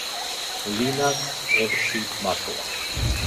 ლინა ტევრში მარტოა.